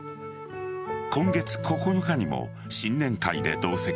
今月９日にも新年会で同席。